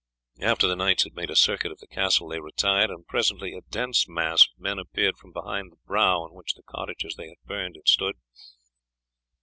After the knights had made a circuit of the castle they retired, and presently a dense mass of men appeared from behind the brow on which the cottages they had burned had stood.